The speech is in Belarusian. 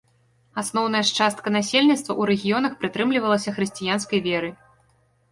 Асноўная ж частка насельніцтва ў рэгіёнах прытрымлівалася хрысціянскай веры.